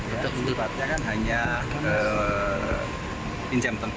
untuk pemeriksaan hanya pinjam tempat ya